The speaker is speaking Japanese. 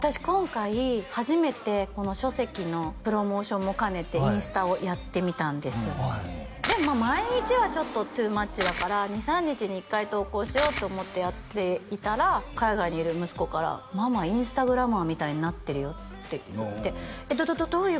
今回初めてこの書籍のプロモーションも兼ねてインスタをやってみたんですでも毎日はちょっとトゥーマッチだから２３日に１回投稿しようと思ってやっていたら海外にいる息子からママインスタグラマーみたいになってるよってどどどど